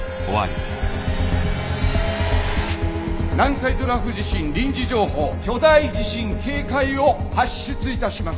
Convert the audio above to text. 「南海トラフ地震臨時情報巨大地震警戒を発出いたします」。